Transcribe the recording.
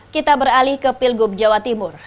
kita beralih ke pilgub jawa timur